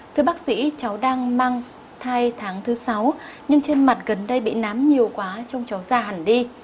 thưa bác sĩ cháu đang mang thai tháng thứ sáu nhưng trên mặt gần đây bị nám nhiều quá trong cháu già hẳn đi